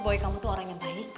bahwa kamu tuh orang yang baik